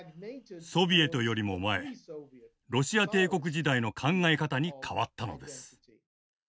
ソビエトよりも前ロシア帝国時代の考え方に変わったのです。